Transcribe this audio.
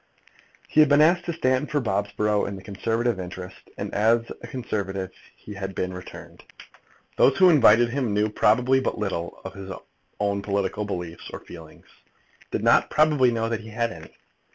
He had been asked to stand for Bobsborough in the Conservative interest, and as a Conservative he had been returned. Those who invited him knew probably but little of his own political beliefs or feelings, did not, probably, know whether he had any.